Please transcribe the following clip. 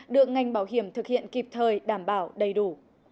được ngành bảo hiểm thực hiện kịp thời đảm bảo đầy đủ